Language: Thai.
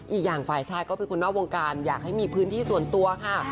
อีกอย่างฝ่ายชายก็เป็นคนนอกวงการอยากให้มีพื้นที่ส่วนตัวค่ะ